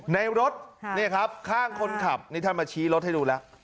ในรถนี่ครับข้างคนขับนี่ท่านมาชี้รถให้ดูแล้ว